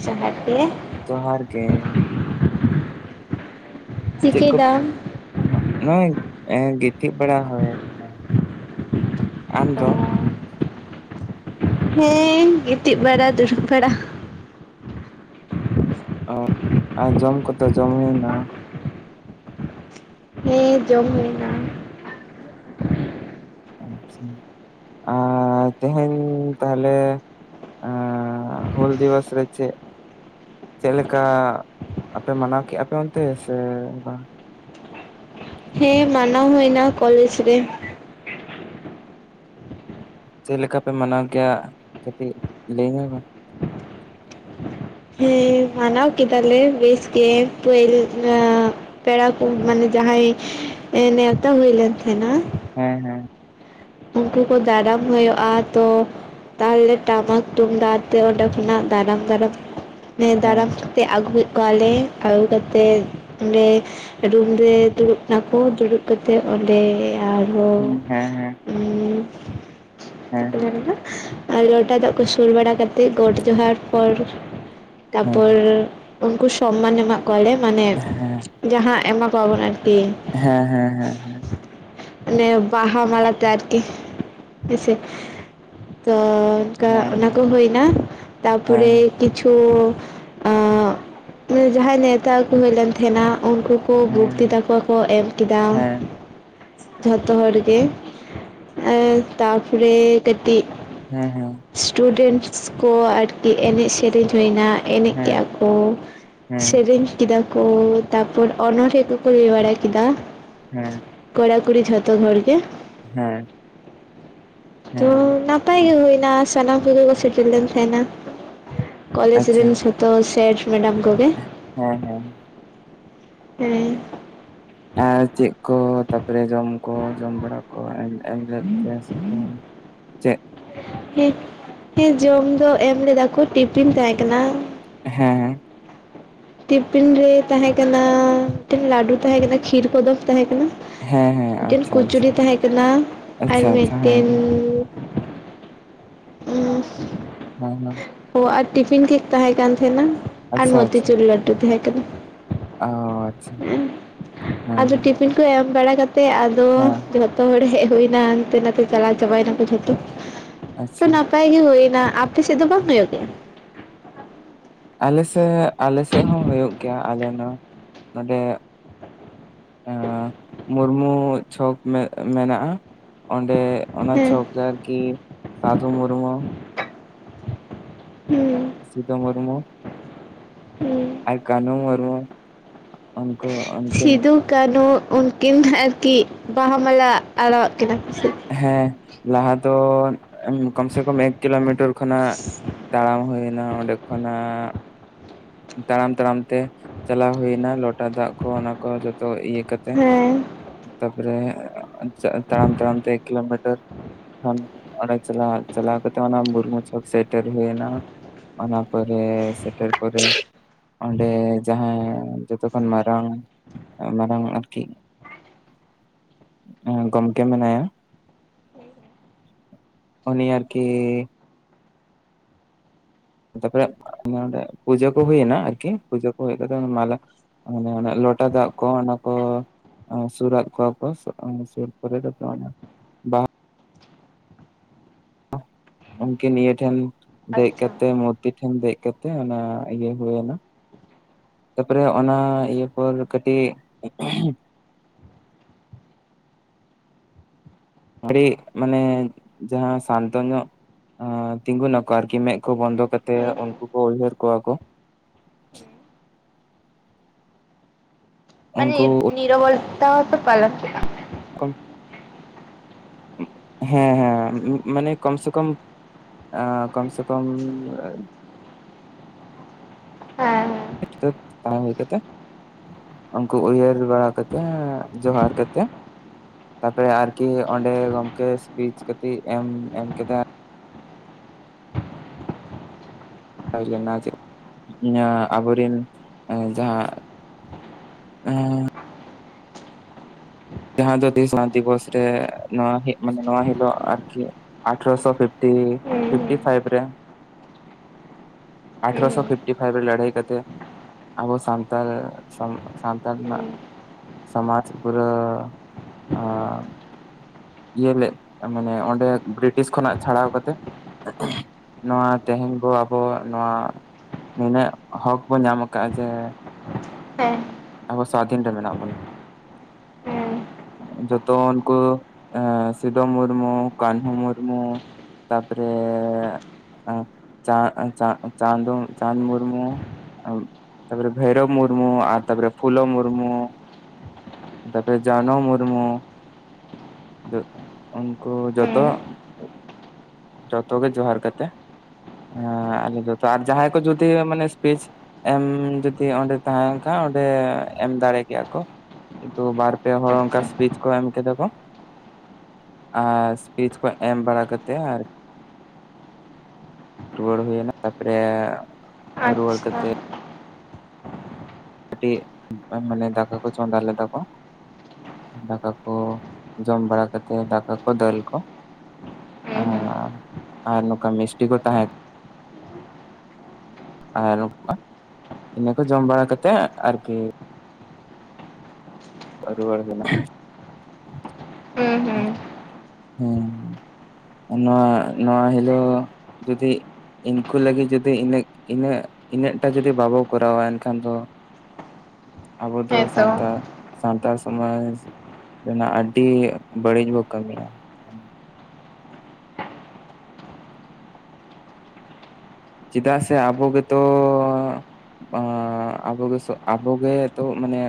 [unintelligible] ᱡᱚᱦᱟᱨ ᱜᱮ ᱡᱚᱦᱟᱨ ᱜᱮ ᱪᱮᱫ ᱪᱤᱠᱟᱹᱭ ᱠᱚ ᱫᱟᱢ? ᱱᱚᱜᱚᱭ ᱜᱤᱛᱤᱡ ᱵᱟᱲᱟ ᱦᱩᱭ ᱟᱠᱟᱱᱟ᱾ ᱟᱢ ᱫᱚ? ᱦᱮᱸ ᱜᱤᱛᱤ ᱵᱲᱟ ᱫᱩᱲ ᱵᱟᱲᱟ᱾ ᱚ ᱟᱨ ᱡᱚᱢ ᱠᱚᱛ ᱡᱚᱢ ᱦᱩᱭᱱᱟ? ᱦᱮᱸ ᱡᱚᱢ ᱦᱩᱭᱱᱟ᱾ ᱟᱪᱪᱷᱟ ᱟᱨ ᱛᱮᱦᱮᱧ ᱛᱟᱦᱞᱮᱼᱼ ᱟ ᱦᱳᱞ ᱫᱤᱵᱚᱥ ᱨᱮ ᱪᱮ? ᱪᱮᱫ ᱞᱮᱠᱟ ᱟᱯᱮ ᱢᱟᱱᱟᱣ ᱠᱮᱫᱼᱟ ᱯᱮ ᱚᱱᱛᱮ ᱥᱮ ᱵᱟᱝ? ᱦᱮᱸ ᱢᱟᱱᱟᱣ ᱦᱩᱭᱱᱟ ᱠᱚᱞᱮᱡᱽ ᱨᱮ᱾ ᱪᱮᱫ ᱞᱮᱠᱟ ᱯᱮ ᱢᱟᱱᱟᱣ ᱠᱮᱭᱟ ᱠᱟᱹᱴᱤᱡ ᱞᱟᱹᱭ ᱧᱟᱹ ᱢᱮ? ᱦᱮᱸ ᱢᱟᱱᱟᱣ ᱠᱮᱫᱟᱞᱮ ᱵᱮᱥ ᱜᱮ ᱯᱳᱞᱼᱼ ᱯᱮᱲᱟ ᱠᱚ ᱢᱟᱱᱮ ᱡᱟᱦᱟᱸᱭ ᱱᱮᱣᱛᱟ ᱦᱩᱭ ᱞᱮᱱ ᱛᱟᱦᱮᱸᱱᱟ᱾ ᱦᱮᱸ ᱦᱮᱸ ᱩᱱᱠᱩ ᱠᱚ ᱫᱟᱨᱟᱢ ᱦᱩᱭᱩᱜᱼᱟ ᱛᱚᱼᱼ ᱛᱟᱦᱞᱮ ᱴᱟᱢᱟᱠ ᱛᱩᱢᱫᱟᱜ ᱛᱮ ᱚᱸᱰᱮ ᱠᱷᱚᱱᱟᱜ ᱫᱟᱨᱟᱢ ᱫᱟᱨᱟᱢ ᱦᱮᱸ ᱫᱟᱨᱟᱢᱼᱼ ᱛᱮ ᱟᱹᱜᱩᱭᱮᱫ ᱠᱚᱣᱟᱞᱮ ᱟᱹᱜᱩ ᱠᱟ ᱠᱟᱛᱮᱫ ᱚᱸᱰᱮᱼᱼ ᱨᱩᱢ ᱨᱮ ᱫᱩᱲᱩᱵ ᱱᱟᱠᱚ ᱫᱩᱲᱩᱵ ᱠᱟᱛᱮᱜ ᱚᱸᱰᱮᱼᱼ ᱦᱩᱸ ᱦᱮᱸ ᱦᱮᱸ ᱦᱩ [unintelligible] ᱫᱚ ᱟᱨ ᱞᱚᱴᱟ ᱫᱟᱜ ᱠᱚ ᱥᱩᱨ ᱵᱟᱲᱟ ᱠᱟᱛᱮᱫ ᱜᱚᱴ ᱡᱚᱦᱟᱨ ᱯᱚᱨ ᱦᱩᱸ ᱛᱟᱯᱚᱨ᱾ ᱩᱱᱠᱩ ᱥᱚᱢᱢᱟᱱ ᱮᱢᱟ ᱠᱚᱣᱟᱞᱮ ᱢᱟᱱᱮ ᱡᱟᱦᱟᱸ ᱮᱢᱟ ᱠᱚᱣᱟᱵᱚᱱ ᱟᱨᱠᱤ᱾ ᱦᱮᱸ ᱦᱮᱸ ᱦᱮᱸ ᱦᱮᱸ ᱮ ᱵᱟᱦᱟ ᱢᱟᱞᱟ ᱛᱮ ᱟᱨᱠᱤ ᱦᱮᱸᱥᱮ ᱛᱚᱼᱼ ᱚᱱᱠᱟ ᱦᱮᱸ ᱚᱱᱟ ᱠᱚ ᱦᱮᱸ ᱦᱳᱭᱱᱟ, ᱦᱮᱸ ᱛᱟᱨᱯᱚᱨᱮ ᱦᱮᱸ ᱠᱤᱪᱷᱩ ᱟᱸ ᱢᱟᱱᱮ ᱡᱟᱦᱟᱸᱭ ᱱᱮᱶᱛᱟ ᱟᱜᱩ ᱦᱩᱭᱞᱮᱱ ᱾ ᱛᱮᱦᱮᱱᱟ ᱩᱱᱠᱩ ᱠᱚ, ᱵᱚᱠᱛᱤ ᱛᱟ ᱦᱮᱸ ᱠᱚ, ᱠᱚ ᱮᱢ ᱠᱮᱫᱟ᱾ ᱦᱮᱸ ᱦᱮᱸ ᱡᱷᱚᱛᱚ ᱦᱚᱲ ᱜᱮ, ᱛᱟᱨᱯᱚᱨᱮ ᱠᱟᱹᱴᱤᱡ ᱦᱮᱸ, ᱦᱮᱸ᱾ ᱥᱴᱩᱰᱮᱱᱥ ᱠᱚ ᱟᱨᱠᱤ, ᱮᱱᱮᱡ ᱥᱮᱨᱮᱧ ᱦᱩᱭᱮᱱᱟ᱾ ᱮᱱᱮᱡ ᱠᱮᱜᱼᱟ ᱦᱮᱸ ᱠᱚ ᱥᱮᱨᱮᱧ ᱠᱮᱫᱟ ᱠᱚ ᱛᱟᱯᱚᱨ ᱚᱱᱚᱲᱦᱮ ᱠᱚᱠᱚ ᱞᱟᱹᱭ ᱵᱟᱲᱟ ᱠᱮᱫᱟ᱾ ᱦᱮᱸ, ᱠᱚᱲᱟ ᱠᱩᱲᱤ ᱡᱷᱚᱛᱚ ᱦᱚᱲ ᱜᱮ᱾ ᱦᱮᱸ, ᱛᱚ ᱦᱮᱸ ᱱᱟᱯᱟᱭ ᱜᱮ ᱦᱩᱭᱱᱟ, ᱥᱟᱱᱟᱢ ᱠᱚᱜᱮ ᱠᱚ ᱥᱮᱴᱮᱨ ᱞᱮᱱ ᱛᱟᱦᱮᱸᱱᱟ᱾ ᱠᱚᱞᱮᱡᱽ ᱟᱪᱪᱷᱟ ᱨᱮᱱ ᱡᱷᱚᱛᱚ ᱥᱮᱴ ᱢᱮᱰᱟᱢ ᱠᱚᱜᱮ, ᱦᱮᱸ, ᱦᱮᱸ᱾ ᱦᱮᱸ, ᱟᱨ ᱪᱮᱫ ᱠᱚ ᱛᱟᱯᱚᱨᱮ ᱡᱚᱢ ᱠᱚ, ᱡᱚᱢ ᱵᱟᱲᱟ ᱠᱚ ᱮᱢ ᱞᱮᱫ ᱯᱮᱭᱟ ᱥᱮ? ᱦᱩᱸᱪᱮᱫ? ᱦᱮᱸ, ᱦᱮᱸ ᱡᱚᱢ ᱫᱚ ᱮᱢ ᱞᱮᱫᱟ ᱠᱚ, ᱴᱤᱯᱷᱤᱱ ᱛᱟᱦᱮᱸ ᱠᱟᱱᱟ᱾ ᱦᱮᱸ, ᱴᱤᱯᱤᱱ ᱨᱮ ᱛᱟᱦᱮᱸ ᱠᱟᱱᱟ, ᱢᱤᱫᱴᱮᱱ ᱞᱟᱹᱰᱩ ᱛᱟᱦᱮᱸ ᱠᱟᱱᱟ ᱠᱷᱤᱨ ᱠᱚᱫᱚᱢ ᱛᱟᱦᱮᱸ ᱠᱟᱱᱟ᱾ ᱦᱮᱸ ᱦᱮᱸ ᱢᱤᱫᱴᱮᱱ ᱟᱪᱪᱷᱟ ᱟᱪᱪᱷᱟ ᱠᱩᱪᱩᱨᱤ ᱛᱟᱦᱮᱸᱠᱟᱱᱟ, ᱟᱨ ᱟᱪᱪᱷᱟ ᱟᱪᱪᱷᱟ ᱦᱮᱸ ᱢᱤᱫᱴᱮᱱ ᱦᱮᱸ ᱩᱢ, ᱦᱮᱸ, ᱦᱮᱸ᱾ ᱚ ᱟᱨ ᱴᱤᱯᱷᱤᱱ ᱠᱮᱠ ᱛᱟᱦᱮᱸ ᱠᱟᱱ ᱛᱟᱦᱮᱸᱱᱟ, ᱟᱨ ᱟᱪᱪᱷᱟ ᱟᱪᱪᱷᱟ ᱱᱚᱛᱤᱪᱩᱨ ᱞᱟᱹᱰᱩ ᱛᱟᱦᱮᱸ ᱠᱟᱱᱟ᱾ ᱚ ᱟᱪᱪᱷᱟ, ᱦᱮᱸ ᱦᱮᱸ, ᱟᱫᱚ ᱦᱮᱸ᱾ ᱴᱤᱯᱷᱤᱱ ᱠᱚ ᱮᱢ ᱵᱟᱲᱟ ᱠᱟᱛᱮᱫ ᱟᱫᱚ, ᱦᱮᱸ ᱡᱷᱚᱛᱚ ᱦᱚᱲ ᱦᱮᱡ ᱦᱳᱭ ᱱᱟ, ᱦᱟᱱᱛᱮ ᱱᱟᱛᱮ ᱪᱟᱞᱟᱣ ᱪᱟᱵᱟᱭᱱᱟ ᱠᱚ ᱡᱷᱚᱛᱚ᱾ ᱛᱚ ᱟᱪᱪᱷᱟ ᱱᱟᱯᱟᱭ ᱜᱮ ᱦᱳᱭᱱᱟ, ᱟᱯᱮᱥᱮᱫ ᱫᱚ ᱵᱟᱝ ᱦᱳᱭᱳᱜ ᱜᱮᱭᱟ? ᱟᱞ ᱥᱮᱜ ᱟᱞᱮᱥᱮᱫ ᱦᱚᱸ ᱦᱳᱭᱳᱜ ᱜᱮᱭᱟ, ᱟᱞᱮ ᱱᱚᱣᱟ ᱱᱚᱸᱰᱮ᱾ ᱮᱸ ᱢᱩᱨᱢᱩ ᱪᱷᱚᱠ ᱢᱮᱱᱟᱜᱼᱟ᱾ ᱚᱸᱰᱮ ᱚᱱᱟ ᱦᱮᱸ ᱪᱳᱸᱠ ᱨᱮ ᱟᱨᱠᱤ ᱥᱟᱫᱷᱩ ᱢᱩᱨᱢᱩ, ᱦᱩᱸ, ᱥᱤᱫᱚ ᱢᱩᱨᱢᱩ ᱦᱩᱸ ᱟᱨ ᱠᱟᱹᱱᱦᱩ ᱢᱩᱨᱢᱩ, ᱩᱱᱠᱩᱼᱩᱱᱠᱤᱱ ᱠᱟᱱᱩ ᱩᱱᱠᱤᱱ ᱟᱨᱠᱤ, ᱵᱟᱦᱟ ᱢᱟᱞᱟ ᱟᱲᱟᱣᱼᱟᱜ ᱠᱤᱱᱟ ᱥᱮ? ᱦᱮᱸ, ᱞᱟᱦᱟ ᱫᱚ ᱠᱚᱢ ᱥᱮ ᱠᱚᱢ ᱮᱠ ᱠᱤᱞᱳᱢᱤᱴᱟᱨ ᱠᱷᱚᱱᱟᱜ, ᱛᱟᱲᱟᱢ ᱦᱳᱭᱱᱟ, ᱚᱸᱰᱮ ᱠᱷᱚᱱᱟᱜ, ᱛᱟᱲᱟᱢ ᱛᱟᱲᱟᱢ ᱛᱮ, ᱪᱟᱞᱟᱣ ᱦᱳᱭᱱᱟ ᱞᱚᱴᱟ ᱞᱚᱴᱟ ᱫᱟᱜ ᱠᱚ, ᱚᱱᱟ ᱠᱚ ᱡᱚᱛᱚ ᱤᱭᱟᱹ ᱠᱟᱛᱮ, ᱦᱮᱸ ᱛᱟᱯᱚᱨᱮ, ᱥᱮ ᱛᱟᱲᱟᱢ ᱛᱟᱲᱟᱢ ᱛᱮ, ᱮᱠ ᱠᱤᱞᱳᱢᱤᱴᱟᱨ ᱚᱸᱰᱮ ᱠᱷᱚᱱ ᱪᱟᱞᱟᱣ-ᱪᱟᱞᱟᱣ ᱠᱟᱛᱮ, ᱚᱱᱟ ᱢᱩᱨᱢᱩ ᱪᱷᱚᱠ ᱥᱮᱴᱮᱨ ᱦᱳᱭᱮᱱᱟ ᱾ ᱚᱱᱟ ᱯᱚᱨᱮ ᱥᱮᱴᱮᱨ ᱯᱚᱨᱮ ᱚᱸᱰᱮ ᱡᱟᱦᱟᱸ, ᱡᱚᱛᱚ ᱠᱷᱚᱱ ᱢᱟᱨᱟᱝ, ᱢᱟᱨᱟᱝ ᱟᱨᱠᱤ ᱟᱸ ᱜᱚᱢᱠᱮ ᱢᱮᱱᱟᱭᱟ ᱾ ᱩᱱᱤ ᱟᱨᱠᱤ, ᱛᱟᱯᱚᱨᱮᱜ ᱱᱚᱸᱰᱮ ᱯᱩᱡᱟᱹ ᱠᱚ ᱦᱩᱭᱱᱟ ᱟᱨᱠᱤ ᱯᱩᱡᱟᱹ ᱠᱚ ᱦᱩᱭ ᱠᱟᱛᱮ ᱢᱟᱞᱟ, ᱱᱮ ᱚᱱᱮ ᱞᱚᱴᱟ ᱫᱟᱜ ᱠᱚ ᱚᱱᱟ ᱠᱚ [unintelligible] ᱵᱟᱦᱟ ᱩᱱᱠᱤᱱ ᱱᱤᱭᱟᱹ ᱴᱷᱮᱱ ᱫᱮᱜ ᱟᱪᱪᱷᱟ ᱠᱟᱛᱮ ᱢᱩᱛᱤ ᱴᱷᱮᱱ ᱫᱮᱜ ᱠᱟᱛᱮ ᱚᱱᱟ ᱤᱭᱟᱹ ᱦᱩᱭ ᱱᱟ, ᱛᱟᱯᱚᱨᱮ ᱚᱱᱟ ᱤᱭᱟᱹ ᱠᱚᱞ ᱠᱟᱹᱴᱤᱜ ᱢᱟᱱᱮ ᱡᱟᱦᱟᱸ ᱥᱟᱱᱛᱚ ᱧᱚᱜ, ᱚᱸ ᱛᱤᱸᱜᱩᱱᱟᱠᱚ ᱟᱨᱠᱤ ᱢᱮᱜ ᱠᱚ ᱵᱚᱱᱫᱚ ᱠᱟᱛᱮᱜ ᱩᱱᱠᱩ ᱠᱚ ᱩᱭᱦᱟᱹᱨ ᱠᱚᱣᱟ ᱠᱚ, ᱩᱱᱠᱩ [unintelligible] [unintelligible] ᱦᱮᱸ ᱦᱮᱸ ᱢᱟᱱᱮ ᱠᱚᱢ ᱥᱮ ᱠᱚᱢ ᱮᱸ ᱠᱚᱢ ᱥᱮ ᱠᱚᱢᱻ [unintelligible] [unintelligible] ᱩᱱᱠᱩ ᱩᱭᱦᱟᱹᱨ ᱵᱟᱲᱟ ᱠᱟᱛᱮᱻ ᱡᱚᱦᱟᱨ ᱠᱟᱛᱮ ᱠᱟᱛᱮ ᱟᱨᱠᱤ ᱚᱸᱰᱮ ᱜᱚᱝᱠᱮ ᱥᱯᱤᱪ ᱠᱟᱹᱛᱤᱜ ᱮᱢ ᱮᱢ ᱠᱮᱫᱟ᱾ [unintelligible] [unintelligible] ᱡᱟᱦᱟᱸ ᱫᱚ ᱫᱤᱥ ᱟᱱ ᱫᱤᱵᱚᱥ ᱨᱮ ᱱᱚᱣᱟ ᱦᱮᱜ ᱢᱟᱱᱮ ᱱᱚᱣᱟ ᱦᱤᱞᱳᱜ ᱟᱨᱠᱤ ᱟᱴᱷᱨᱚ ᱥᱚ ᱯᱷᱤᱯᱴᱤ, ᱦᱮᱸ ᱯᱷᱤᱯᱴᱤ ᱯᱷᱟᱭᱤᱵ ᱨᱮ [inaudible] ᱟᱴᱷᱨᱚ ᱦᱮᱸ ᱥᱚ ᱯᱷᱤᱯᱴᱤ ᱯᱷᱟᱭᱤᱵ ᱨᱮ ᱞᱟᱹᱰᱷᱟᱹᱭ ᱠᱟᱛᱮ ᱟᱵᱚ ᱥᱟᱱᱛᱟᱞ, ᱥᱟᱱᱛᱟᱞ ᱨᱮᱱᱟᱜ ᱥᱚᱢᱟᱡᱽ ᱯᱩᱨᱟᱹᱻ ᱟᱸ ᱤᱭᱟᱹ ᱞᱮᱜ ᱢᱟᱱᱮ ᱚᱸᱰᱮ ᱵᱨᱤᱴᱤᱥ ᱠᱷᱚᱱᱟᱜ ᱪᱷᱟᱲᱟᱣ ᱠᱟᱛᱮ ᱱᱚᱣᱟ ᱛᱮᱦᱮᱧ ᱵᱚ ᱟᱵᱚᱣᱟᱜ ᱱᱚᱣᱟ ᱱᱤᱱᱟᱹᱜ ᱦᱚᱸᱠ ᱵᱚ ᱧᱟᱢ ᱠᱟᱜ-ᱟ ᱡᱮ ᱦᱮᱸ ᱟᱵᱚ ᱥᱟᱣᱫᱷᱤᱱ ᱨᱮ ᱢᱮᱱᱟᱜ ᱵᱚᱱᱟ᱾ ᱦᱮᱸ ᱡᱚᱛᱚ ᱩᱱᱠᱩ ᱥᱤᱫᱚ ᱢᱩᱨᱢᱩ, ᱠᱟᱱᱦᱩ ᱢᱩᱨᱢᱩ ᱛᱟᱯᱚᱨᱮ ᱪᱟ ᱪᱟ ᱪᱟᱸᱫᱩ ᱪᱟᱸᱫ ᱢᱩᱨᱢᱩ ᱛᱟᱯᱚᱨᱮ ᱵᱷᱟᱹᱭᱨᱚᱵᱽ ᱢᱩᱨᱢᱩ ᱟᱨ ᱛᱟᱯᱚᱨᱮ ᱯᱷᱩᱞᱚ ᱢᱩᱨᱢᱩ [unintelligible] ᱡᱟᱱᱚ ᱢᱩᱨᱢᱩ, ᱩᱱᱠᱩ ᱡᱚᱛᱚ ᱦᱮᱸ ᱡᱚᱛᱚ ᱜᱮ ᱡᱚᱦᱟᱨ ᱠᱟᱛᱮ ᱦᱮᱸ ᱟᱞᱮ ᱡᱚᱛᱚ ᱟᱨ ᱡᱟᱦᱟᱸᱭ ᱠᱚ ᱡᱩᱫᱤ ᱢᱟᱱᱮ ᱤᱥᱯᱤᱪ ᱮᱢ ᱡᱩᱫᱤ ᱚᱸᱰᱮ ᱛᱟᱸᱦᱮᱱ ᱠᱷᱟ ᱚᱸᱰᱮ ᱮᱢ ᱫᱟᱲᱮ ᱠᱮᱭᱟ ᱠᱚ, ᱠᱤᱱᱛᱩ ᱵᱟᱨ ᱯᱮ ᱦᱚᱲ ᱚᱝᱠᱟ ᱦᱮᱸ ᱤᱥᱯᱤᱪ ᱠᱚ ᱮᱢ ᱠᱮᱫᱟ ᱠᱚ, ᱟᱨ ᱤᱥᱯᱤᱪ ᱠᱚ ᱮᱢ ᱵᱟᱲᱟ ᱠᱟᱛᱮ ᱟᱨ ᱨᱩᱣᱟᱹᱲ ᱦᱩᱭ ᱱᱟ ᱛᱟᱯ ᱨᱮ ᱟᱪ ᱪᱷᱟ ᱠᱟᱹᱴᱤᱜ ᱢᱟᱱᱮ ᱫᱟᱠᱟ ᱠᱚ ᱪᱚᱫᱟ ᱞᱮᱫᱟ ᱠᱚ, ᱫᱟᱠᱟ ᱠᱚ ᱡᱚᱢ ᱵᱟᱲᱟ ᱠᱟᱛᱮ ᱫᱟᱠᱟ ᱠᱚ ᱫᱟᱹᱞ ᱠᱚ ᱟᱨ ᱱᱚᱠᱟ ᱢᱤᱥᱴᱤ ᱠᱚ ᱛᱟᱦᱮᱸ ᱟᱨ ᱱᱠᱟ ᱤᱱᱟᱹ ᱠᱚ ᱡᱚᱢ ᱵᱟᱲᱟ ᱠᱟᱛᱮᱜ ᱟᱨᱠᱤ ᱨᱩᱣᱟᱹᱲ ᱦᱩᱭ ᱱᱟ᱾ ᱦᱮᱸ [inaudible] ᱦᱮᱸ ᱚᱱᱟ ᱱᱚᱣᱟ ᱦᱤᱞᱳᱜ ᱡᱩᱫᱤ ᱤᱱᱠᱩ ᱞᱟᱹᱜᱤᱫ ᱡᱩᱫᱤ ᱤᱱᱟᱹᱜ ᱤᱱᱟᱹ ᱤᱱᱟᱹᱜ ᱴᱟᱜ ᱡᱩᱫᱤ ᱵᱟᱵᱚ ᱠᱚᱨᱟᱣᱟ ᱮᱱᱠᱷᱟᱱ ᱫᱚ ᱟᱵᱚ ᱫᱚ ᱦᱮᱸᱛᱚ ᱥᱟᱱᱛᱟᱲ ᱥᱟᱱᱛᱟᱲ ᱥᱚᱢᱟᱡᱽ ᱨᱮᱱᱟᱜ ᱟᱹᱰᱤ ᱵᱟᱹᱲᱤᱡ ᱵᱚ ᱠᱟᱹᱢᱤᱭᱟ᱾ [inaudible] ᱪᱮᱫ ᱥᱮ ᱟᱵᱚ ᱜᱮ ᱛᱚ ᱟᱵᱚ ᱟᱵᱚ ᱜᱮ ᱛᱚ ᱢᱟᱱᱮ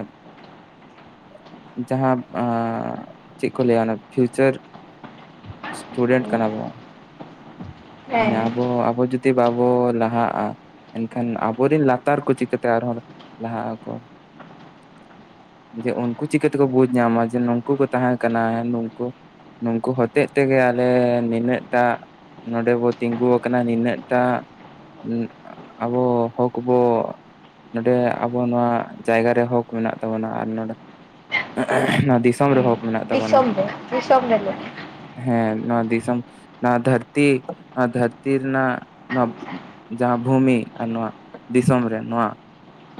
ᱡᱟᱦᱟ ᱪᱮᱫ ᱠᱚ ᱞᱟᱹᱭ-ᱟ ᱚᱱᱟ ᱯᱷᱤᱭᱩ ᱪᱟᱨ ᱥᱴᱩᱰᱮᱱᱴ ᱠᱟᱱᱟ ᱵᱚᱱ ᱢᱟᱱᱮ ᱟᱵᱚ ᱟᱵᱚ ᱡᱩᱫᱤ [unintelligible] ᱵᱟ ᱵᱚ ᱞᱟᱦᱟᱜ-ᱟ ᱮᱱᱠᱷᱟᱱ ᱟᱵᱚ ᱨᱮᱱ ᱞᱟᱛᱟᱨ ᱠᱚ ᱪᱤᱠᱟᱹ ᱛᱮ ᱟᱨᱦᱚᱸ ᱞᱟᱦᱟᱜ ᱟᱠᱚ ᱡᱮ ᱩᱱᱠᱩ ᱪᱤᱠᱟᱹ ᱛᱮᱠᱚ ᱵᱩᱡᱽ ᱧᱟᱢᱟ ᱡᱮ ᱱᱩᱝᱠᱩ ᱠᱚ ᱛᱟᱦᱮᱸ ᱠᱟᱱᱟ ᱱᱩᱝᱠᱩ ᱱᱩᱝᱠᱩ ᱦᱚᱛᱮᱜ ᱛᱮᱜᱮ ᱟᱞᱮ ᱱᱩᱱᱟᱹᱜ ᱴᱟᱜ ᱱᱚᱰᱮ ᱵᱚ ᱛᱤᱸᱜᱩ ᱟᱠᱟᱱᱟ ᱱᱤᱱᱟᱹᱜ ᱴᱟᱜ ᱟᱵᱚ ᱦᱚᱸᱠ ᱵᱚ ᱱᱚᱸᱰᱮ ᱟᱵᱚ ᱱᱚᱣᱟ ᱡᱟᱭᱜᱟ ᱨᱮ ᱦᱚᱸᱠ ᱢᱮᱱᱟᱜ ᱛᱟᱵᱚ ᱱᱟ ᱟᱨ ᱱᱚᱸᱰᱮ ᱚᱱᱟ ᱫᱤᱥᱚᱢ ᱨᱮ ᱦᱚᱸᱠ [unintelligible] ᱦᱮᱸ ᱱᱚᱣᱟ ᱫᱤᱥᱚᱢ ᱱᱚᱣᱟ ᱫᱷᱟᱹᱨᱛᱤ ᱱᱚᱣᱟ ᱫᱷᱟᱹᱨᱛᱤ ᱨᱮᱱᱟᱜ ᱱᱚᱣᱟ ᱡᱟᱦᱟ ᱵᱷᱩᱢᱤ ᱟᱨ ᱱᱚᱣᱟ ᱫᱤᱥᱚᱢ ᱨᱮᱱ ᱱᱚᱣᱟ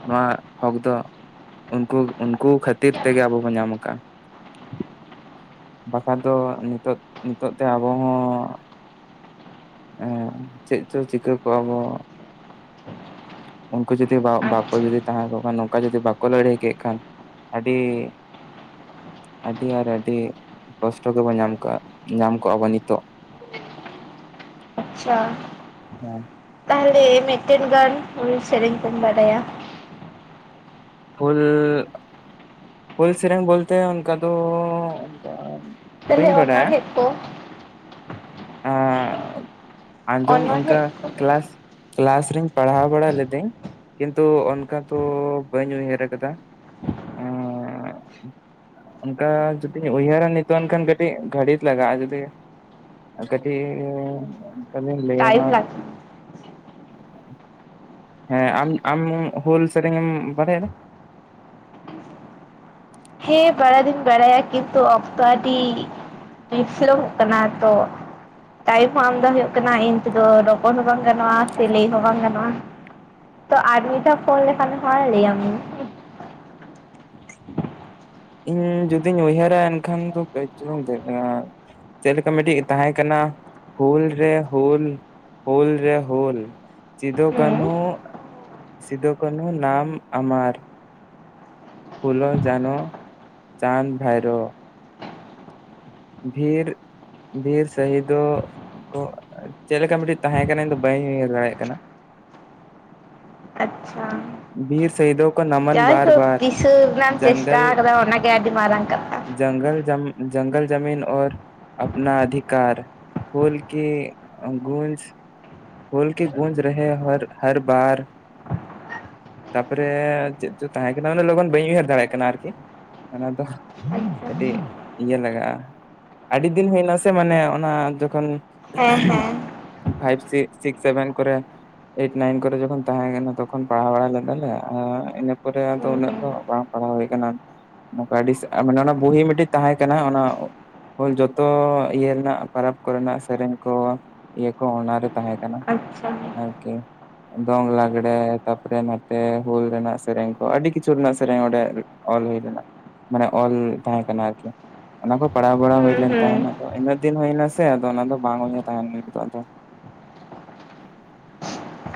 ᱱᱚᱣᱟ ᱦᱚᱸᱠ ᱫᱚ ᱩᱱᱠᱩ ᱩᱱᱠᱩ ᱠᱷᱟ ᱛᱤᱨ ᱛᱮᱜᱮ ᱟᱵᱚ ᱵᱚᱱ ᱧᱟᱢ ᱠᱟᱜ-ᱟ᱾ ᱵᱟᱠᱷᱟᱱ ᱫᱚ ᱱᱤᱛᱚᱜ ᱱᱤᱛᱚᱜ ᱛᱮ ᱟᱵᱚ ᱦᱚᱸ ᱪᱮᱫ ᱪᱚ ᱪᱤᱠᱟᱹ ᱠᱚᱜ-ᱟ ᱵᱚ ᱩᱱᱠᱩ ᱡᱩᱫᱤ ᱵᱟᱠᱚ ᱟᱪᱪᱷᱟ ᱡᱩᱫᱤ ᱛᱟᱦᱮᱸ ᱠᱚᱜ ᱠᱷᱟᱱ ᱱᱚᱝᱠᱟ ᱡᱩᱫᱤ ᱵᱟᱠᱚ ᱞᱟᱹᱲᱦᱟᱹᱭ ᱠᱮᱜ ᱠᱷᱟᱱ ᱟᱹᱰᱤ ᱟᱹᱰᱤ ᱟᱨ ᱟᱹᱰᱤ ᱠᱚᱥᱴᱚ ᱜᱮᱵᱚᱱ ᱧᱟᱢ ᱠᱚᱜ-ᱟ ᱧᱟᱢ ᱠᱚᱜ-ᱟ ᱵᱚᱱ ᱱᱤᱛᱚᱜ ᱟᱪᱪᱷᱟ ᱦᱮᱸ ᱛᱟᱦᱚᱞᱮ ᱢᱤᱫ ᱴᱮᱱ ᱜᱟᱱ ᱦᱩᱹᱞ ᱥᱮᱨᱮᱧ ᱠᱚᱢ ᱵᱟᱰᱟᱭᱟ ᱦᱩᱹᱞ ᱦᱩᱹᱞ ᱥᱮᱨᱮᱧ ᱵᱚᱞ ᱛᱮ ᱚᱱᱠᱟ ᱫᱚ ᱛᱟᱦᱚᱞᱮ ᱵᱟᱹᱧ ᱵᱟᱲᱟᱭᱟ᱾ ᱚᱱᱚᱬᱦᱮᱸ ᱠᱚ ᱟᱸᱡᱚᱢ ᱚᱱᱠᱟ ᱚᱱᱚᱬᱦᱮᱸ ᱠᱚ ᱠᱮᱞᱟᱥ ᱠᱮᱞᱟᱥ ᱨᱮᱧ ᱯᱟᱲᱦᱟᱣ ᱵᱟᱲᱟ ᱞᱮ ᱫᱟᱹᱧ ᱠᱤᱱᱛᱩ ᱚᱱᱠᱟ ᱛᱚ ᱵᱟᱹᱧ ᱩᱭᱦᱟᱹᱨ ᱠᱟᱫᱟ [inaudible] ᱚᱱᱠᱟ ᱡᱩᱫᱤ ᱩᱭᱦᱟᱹᱨᱟ ᱱᱤᱛᱚᱜ ᱮᱱ ᱠᱷᱟᱱ ᱠᱟᱹᱴᱤᱡ ᱜᱷᱟᱹᱲᱤᱡ ᱞᱟᱜᱟᱜ-ᱟ ᱡᱩᱫᱤ ᱠᱟᱹᱴᱤᱡ ᱛᱟᱦᱚᱞᱤᱧ ᱞᱟᱹᱭ ᱟᱢᱟ ᱴᱟᱭᱤᱢ ᱞᱟᱜᱟᱜᱼᱟ ᱦᱮᱸ ᱟᱢ ᱟᱢ ᱦᱩᱹᱞ ᱥᱮᱨᱮᱧ ᱮᱢ ᱵᱟᱲᱟᱭᱟ ᱦᱮᱸ ᱵᱟᱲᱟᱭ ᱫᱚᱸᱧ ᱵᱟᱲᱟᱭᱟ ᱠᱤᱱᱛᱩ ᱚᱠᱛᱚ ᱟᱹᱰᱤ ᱯᱷᱞᱚᱜ ᱠᱟᱱᱟ ᱛᱚ ᱴᱟᱭᱤᱢ ᱦᱚᱸ ᱟᱢ ᱫᱚ ᱦᱩᱭᱩᱜ ᱠᱟᱱᱟ ᱤᱤᱱ ᱛᱮᱫᱚ ᱨᱚᱯᱚᱲ ᱦᱚᱸ ᱵᱟᱝ ᱜᱟᱱᱚᱜ-ᱟ ᱥᱮ ᱞᱟᱹᱭ ᱦᱚᱸ ᱵᱟᱝ ᱜᱟᱱᱚᱜ-ᱟ ᱛᱚ ᱟᱨ ᱢᱤᱫ ᱫᱷᱟᱣ ᱯᱷᱳᱱ ᱞᱮᱠᱷᱟᱱ ᱦᱚ ᱞᱟᱹᱭ ᱟᱢᱤᱧ ᱤᱧ ᱡᱩᱫᱤᱧ ᱩᱭᱦᱟᱹᱨᱟ ᱮᱱᱠᱷᱟᱱ ᱫᱚ ᱠᱟᱹᱡ ᱪᱧ [unintelligible] ᱫᱮᱡ ᱮᱱᱟ ᱪᱮᱫ ᱞᱮᱠᱟ ᱢᱤᱫᱴᱤᱡ ᱛᱟᱦᱮᱸ ᱠᱟᱱᱟ ᱦᱩᱞ ᱨᱮ ᱦᱩᱞ ᱦᱩᱞ ᱨᱮ ᱦᱩᱞ᱾ ᱦᱩᱸ ᱥᱤᱫᱩᱠᱟᱱᱦᱩ ᱥᱤᱫᱩᱠᱱᱦᱩ ᱱᱟᱟᱢ ᱟᱢᱟᱨᱼᱼ ᱯᱷᱩᱞᱩᱞ ᱡᱟᱱ ᱪᱟᱸᱫᱽ ᱵᱷᱟᱭᱨᱼᱼ ᱵᱷᱨ ᱵᱷᱨ ᱥᱟᱹᱦ ᱫᱚ ᱠᱚ ᱪᱮᱫᱞᱮᱠᱟ ᱢᱤᱫᱴᱤᱡ ᱛᱟᱦᱮᱸ ᱠᱟᱱᱟ ᱤᱧ ᱫᱚ ᱵᱟᱹᱧ ᱩᱤᱭᱟᱹᱟᱹᱨ ᱫᱟᱲᱮᱭᱟᱜ ᱠᱟᱱᱟ᱾ ᱟᱪᱪᱷᱟ ᱵᱤᱨᱤᱨ ᱥᱟᱹᱭᱫᱚᱼᱼ ᱪ ᱫᱤᱥᱤᱥ ᱨᱮᱱᱟᱜᱢ ᱪᱮᱥᱴᱟ ᱠᱟᱫᱟ ᱚᱱᱟᱜᱮ ᱟᱹᱰᱤ ᱢᱟᱨᱟᱝᱠᱟᱼᱼ ᱡᱚᱝᱜᱚᱞ ᱡᱚᱢᱤᱱ ᱡᱚᱝᱜᱚᱞ ᱡᱚᱢᱤᱱ ᱚᱨ ᱟᱯᱱᱟ ᱟᱫᱤᱠᱟᱨ ᱦᱳᱞ ᱠᱮ ᱜᱩᱡ ᱦᱞ ᱠ ᱜᱩᱡ ᱨᱮ ᱦ ᱦᱟᱨ ᱵᱟᱨ ᱛᱟᱯᱚᱨᱮ ᱪᱮᱫ ᱪᱚ ᱛᱟᱦᱮᱸ ᱠᱟᱱᱟᱮ ᱞᱚᱜᱚᱱ ᱵᱟᱹᱧ ᱩᱭᱦᱟᱹᱨ ᱫᱟᱲᱮᱭᱟᱜ ᱠᱟᱱᱟ ᱟᱨᱠᱤ ᱚᱱᱟ ᱫᱚ ᱟᱪᱪᱷᱟ ᱠᱟᱹᱴᱤᱡ ᱤᱭᱟᱹ ᱞᱟᱜᱟᱜᱼᱟ ᱟᱹᱰᱤ ᱫᱤᱱ ᱦᱩᱭᱱᱟ ᱥᱮ ᱢᱟᱱᱮ ᱚᱱᱟ ᱡᱚᱠᱷᱚᱱ ᱦ [unintelligible] ᱦᱮᱸ ᱦᱮᱸ ᱯᱷᱟᱭᱤᱵᱷ ᱥᱤᱠᱥ ᱥᱮᱵᱷᱮᱱ ᱠᱚᱨᱮ ᱮᱭᱤᱴ ᱱᱟᱭᱤᱱ ᱠᱚᱨᱮ ᱡᱚᱠᱷᱚᱱ ᱛᱟᱦᱮᱸ ᱠᱟᱱᱟ ᱛᱚᱠᱷᱚᱱᱼᱼ ᱟᱞᱟᱞᱮ ᱤᱱᱟᱹ ᱯᱚᱨᱮ ᱟᱫᱚ ᱦᱩᱸ ᱩᱱᱟᱹᱜ ᱫᱚ ᱦᱩᱸ ᱵᱟᱝ ᱯᱟᱲᱦᱟᱣ ᱦᱩᱭ ᱟᱠᱟᱱᱟ᱾ ᱱᱚᱝᱠᱟ ᱢᱟᱱᱮ ᱚᱱᱟ ᱵᱩᱦᱤ ᱢᱤᱫᱴᱤᱡ ᱛᱟᱦᱮᱸ ᱠᱟᱱᱟ ᱚᱱᱟ᱾ ᱦ ᱡᱚᱛᱚ ᱤᱭᱟᱹ ᱨᱮᱱᱟᱜ ᱯᱟᱨᱟᱵᱽ ᱠᱚᱨᱮᱱᱟᱜ ᱥᱮᱨᱮᱧ ᱠᱚ ᱤᱭᱟᱹ ᱠᱚ ᱚᱱᱟᱨᱮ ᱛᱟᱦᱮᱸ ᱠᱟᱱᱟ᱾ ᱟᱪᱪᱷᱟ ᱟᱠᱮ ᱫᱳᱝ ᱞᱟᱜᱲᱮ ᱛᱟᱯᱚᱨᱮ ᱱᱚᱛᱮ ᱦᱩᱞ ᱨᱮᱱᱟᱜ ᱥᱮᱨᱮᱧ ᱠᱚ ᱟᱹᱰᱤ ᱠᱤᱪᱷᱩ ᱨᱮᱱᱟᱜ ᱥᱮᱨᱮᱧ ᱚᱸᱰᱮ ᱚᱞ ᱦᱩᱭ ᱞᱮᱱᱟ᱾ ᱢᱟᱱᱮ ᱚᱞ ᱛᱟᱦᱮᱸ ᱠᱟᱱᱟ ᱟᱨᱠᱤ ᱚᱱᱟ ᱠᱚ ᱯᱟᱲᱟᱣ ᱵᱟᱲᱟ ᱦᱩᱸ ᱦᱩᱭᱞᱱ ᱦᱩᱸ ᱛᱟᱦᱮᱸᱱᱟ ᱟᱫᱚ ᱤᱱᱟ᱾ ᱫᱤᱱ ᱦᱩᱭᱱᱟ ᱥᱮ ᱟᱫᱚ ᱚᱱᱟ ᱫᱚ ᱵᱟᱝ ᱛᱟᱦᱮᱱᱟ ᱱ ᱟᱫᱚᱼᱼ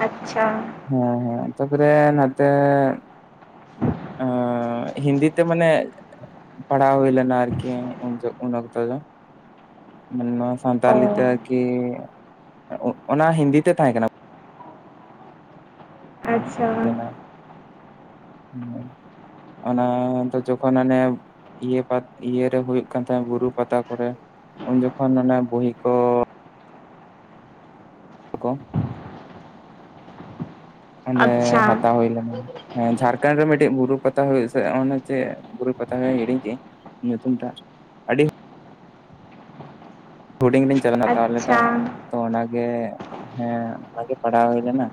ᱟᱪᱪᱷᱟ ᱦᱮᱸ ᱦᱮᱸ ᱛᱟᱯᱚᱨᱮ ᱱᱚᱛᱮ ᱟ ᱦᱤᱱᱫᱤᱛᱮ ᱢᱟᱱᱮᱼᱼ ᱯᱟᱲᱟᱣ ᱦᱩᱭ ᱞᱮᱱᱟ ᱟᱨᱠᱤ ᱩᱱ ᱩᱚᱱᱚᱠᱛ ᱫᱚ ᱚ ᱥᱟᱱᱛᱟᱞᱤ ᱛᱮ ᱟᱨᱠᱤ ᱚᱱᱟ ᱦᱤᱱᱫᱤ ᱛᱮ ᱛᱟᱦᱮᱸ ᱠᱟᱱᱟ᱾ ᱟᱪᱪᱷᱟ ᱡ ᱦᱮᱸ ᱚᱱᱟ ᱡᱚᱠᱷᱚᱱ ᱚᱱᱮᱼᱼ ᱤᱭᱟᱹ ᱤᱭᱮ ᱦᱩᱭᱩᱜ ᱠᱟᱱ ᱛᱦᱱᱟ ᱵᱩᱨᱩ ᱯᱟᱛᱟ ᱠᱚᱨᱮ ᱩᱱ ᱡᱚᱠᱷᱚᱱ ᱮ ᱵᱦᱤ ᱠᱚ ᱦ ᱠᱚ ᱚᱸᱰᱮ ᱟᱪᱪᱷᱟ ᱦᱟᱛᱟᱣ ᱦᱩᱭ ᱞᱮᱱᱟ᱾ ᱦᱮᱸ ᱡᱷᱟᱲᱠᱷᱚᱱᱰ ᱨᱮ ᱢᱤᱫᱴᱮᱡ ᱵᱩᱨᱩ ᱯᱟᱛᱟ ᱦ ᱦᱩᱭᱩᱜ ᱥᱮ ᱮ ᱪᱮᱫ ᱵᱩᱨᱩ ᱯᱟᱛᱟ ᱦᱩᱭᱩᱜ ᱦᱤᱲᱤᱧ ᱠᱮᱫᱮᱜᱼᱟᱹᱧ ᱧᱩᱛᱩᱢ ᱛᱟᱭ ᱦᱩᱰᱤᱧ ᱞᱤᱧ ᱪᱟᱞᱟᱣ ᱦᱟᱛᱟᱣ ᱞᱮᱫᱟ ᱟᱪᱪᱷᱟ ᱛᱚ ᱚᱱᱟᱜᱮ ᱦᱮᱸ ᱚᱱᱟᱜᱮ ᱯᱟᱲᱦᱟᱣ ᱦᱩᱭ ᱞᱮᱱᱟ᱾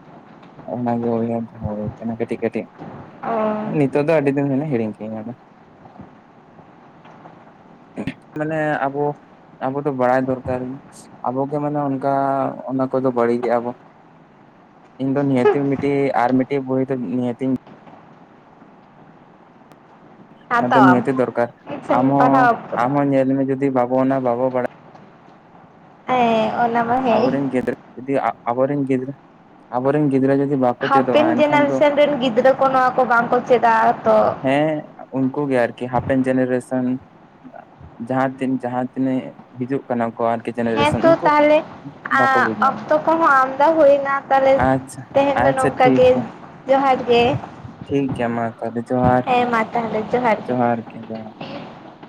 [unintelligible] ᱠᱟᱴᱤᱡ ᱠᱟᱴᱤᱡ ᱚ ᱱᱤᱛᱚᱜ ᱫᱚ ᱟᱹᱰᱤ ᱫᱤᱱ ᱦ ᱦᱤᱲᱤᱧ ᱠᱤᱧ ᱟᱫᱚ ᱢᱟᱱᱮ ᱟᱵᱚᱼᱼ ᱟᱵᱚ ᱫᱚ ᱵᱟᱲᱟᱭ ᱫᱚᱨᱠᱟᱨ ᱟᱵᱚᱜᱮ ᱢᱟᱱᱮ ᱚᱱᱠᱟ ᱚᱱᱟ ᱠᱚᱫᱚ ᱵᱟᱹᱲᱤᱡ ᱜᱮᱼᱟ ᱵᱚᱼᱼ ᱤᱧ ᱫᱚ ᱱᱤᱦᱟᱹ ᱢᱤᱫᱴᱤᱡ ᱟᱨ ᱢᱤᱫᱴᱮᱱ ᱵᱳᱭ ᱫᱚ ᱱᱤᱦᱟᱹᱧ ᱚᱱᱟᱫᱚ ᱦᱟᱛᱟᱣᱟᱢ ᱱᱤᱛᱮ ᱫᱚᱨᱠᱟᱨ ᱮᱠᱥᱮᱢ ᱟᱢ ᱦᱚᱸ ᱯᱟᱲᱦᱟᱣ ᱟᱢ ᱩᱛᱟᱹᱨᱚᱜᱼᱟ ᱦᱚᱸ ᱧᱮᱞ ᱢᱮ ᱡᱩᱫᱤ ᱵᱟᱵᱚ ᱚᱱᱟ ᱵᱟᱵᱚ ᱵᱟᱲᱟᱭ᱾ ᱦᱸ ᱚᱱᱟ ᱢᱟ ᱦᱮᱸ ᱟᱵᱚᱨᱮᱱ ᱜᱤᱫᱽᱨᱟᱹ ᱡᱫᱤ ᱟᱵᱚᱨᱮᱱ ᱜᱤᱫᱽᱨᱟᱹ ᱟᱵᱚᱨᱮᱱ ᱜᱤᱫᱽᱨᱟᱹᱼᱼ ᱦᱟᱯᱮᱱ ᱡᱮᱱᱟᱨᱮᱥᱮᱱ ᱨᱮᱱ ᱜᱤᱫᱽᱨᱟᱹ ᱠᱚ ᱱᱚᱣᱟ ᱠᱚ ᱵᱟᱝᱠᱚ ᱪᱮᱫᱟ ᱛᱚ ᱦᱮᱸ ᱩᱝᱠᱩ ᱜᱮ ᱟᱨᱠᱤ ᱦᱟᱯᱮᱱ ᱡᱮᱱᱟᱨᱥᱱ ᱡᱟᱦᱟᱸ ᱛᱤᱱ ᱡᱟᱦᱟᱸ ᱛᱱᱟᱹᱜ ᱦᱤᱡᱩᱜ ᱠᱟᱱᱟ ᱠᱚ ᱟᱨᱠᱤ ᱦᱮᱸ ᱡᱮᱱᱟᱨᱮᱥᱚᱱ ᱛᱚ ᱩᱱᱠᱩ ᱛᱟᱦᱞᱮ ᱵᱟᱠᱚ ᱟᱸ ᱵᱩᱡᱽ ᱧᱟᱢᱟ ᱚᱠᱛᱚ ᱠᱚᱦᱚᱸ ᱟᱢᱫᱟ ᱦᱩᱭᱱᱟ ᱛᱟᱦᱞᱮ ᱟᱪᱪᱷᱟ ᱛᱮᱦᱮᱧ ᱫᱚ ᱟᱪᱪᱷᱟ ᱱᱚᱝᱠᱟ ᱜᱮ, ᱡᱚᱦᱟᱨ ᱜᱮ ᱴᱷᱤᱠᱜᱮᱭᱟ ᱢᱟ ᱛᱟᱦᱞᱮ ᱦᱮᱸ ᱢᱟ ᱛᱟᱦᱚᱞᱮ ᱡᱚᱦᱟᱨ ᱜᱮ ᱡᱚᱦᱟᱨ᱾